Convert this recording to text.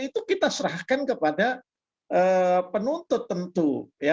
itu kita serahkan kepada penuntut tentu